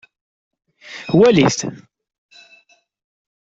Walit.